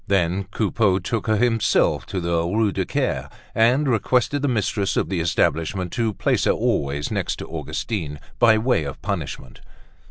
Then Coupeau took her himself to the Rue du Caire and requested the mistress of the establishment to place her always next to Augustine, by way of punishment.